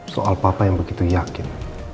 soal partai yang begitu yakin